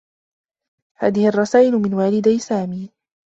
هذه الرسائل من والدي سامي.